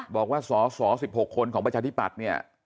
บอกว่าสส๑๖คนของประชาธิปัตย์เนี่ย